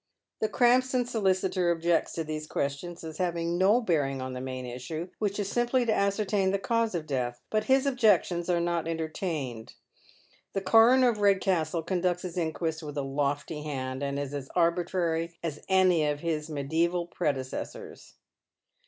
The Krampston solicitor objects to these questions, as having no bearing on the main issue, which is simply to ascertain the cause of death, but his objections are not entertained. The coroner of Redcastle conducts his inquest with a lofty hand, and ia as arbitrary as any of his medieevai predecessors.